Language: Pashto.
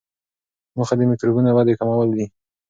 موخه د میکروبونو ودې کمول وي.